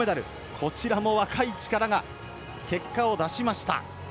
こちらも若い力が結果を出しました。